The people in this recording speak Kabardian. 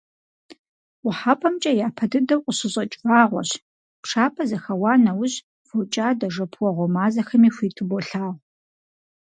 КъухьэпӀэмкӀэ япэ дыдэу къыщыщӀэкӀ вагъуэщ, пшапэ зэхэуа нэужь, фокӀадэ-жэпуэгъуэ мазэхэми хуиту болъагъу.